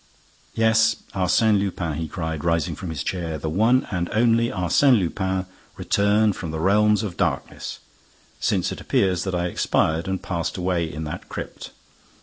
"Yes, Arsène Lupin!" he cried, rising from his chair. "The one and only Arsène Lupin, returned from the realms of darkness, since it appears that I expired and passed away in a crypt!